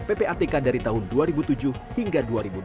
ppatk dari tahun dua ribu tujuh hingga dua ribu dua puluh